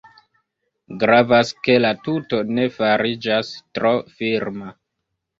Gravas ke la tuto ne fariĝas tro firma.